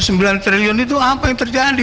sembilan triliun itu apa yang terjadi